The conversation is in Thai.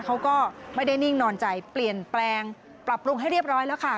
เขาก็ไม่ได้นิ่งนอนใจเปลี่ยนแปลงปรับปรุงให้เรียบร้อยแล้วค่ะ